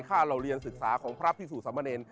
ค่าเหล่าเรียนศึกษาของพระพิสุสัมเมริน